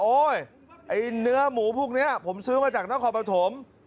โอ๊ยเนื้อหมูพวกนี้ผมซื้อมาจากน้องคอปภัทม